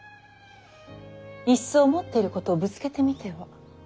いっそ思っていることをぶつけてみては。